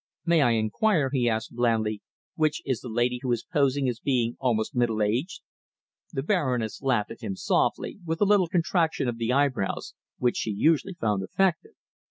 "May I inquire," he asked blandly, "which is the lady who is posing as being almost middle aged?" The Baroness laughed at him softly, with a little contraction of the eyebrows, which she usually found effective.